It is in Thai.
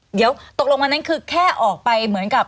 เดี๋ยวตกลงวันนั้นคือแค่ออกไปเหมือนกับ